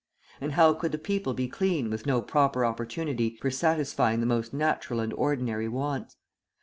And how could the people be clean with no proper opportunity for satisfying the most natural and ordinary wants?